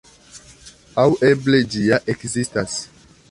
Aŭ eble ĝi ja ekzistas.